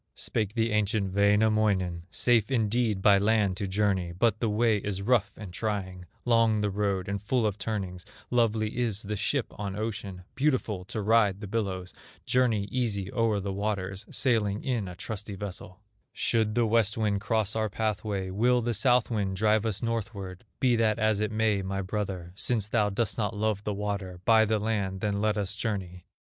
Spake the ancient Wainamoinen: "Safe indeed by land to journey, But the way is rough and trying, Long the road and full of turnings; Lovely is the ship on ocean, Beautiful to ride the billows, Journey easy o'er the waters, Sailing in a trusty vessel; Should the West wind cross our pathway, Will the South wind drive us northward. Be that as it may, my brother, Since thou dost not love the water, By the land then let us journey.